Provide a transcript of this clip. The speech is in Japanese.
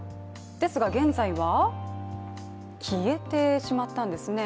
ですが現在は消えてしまったんですね。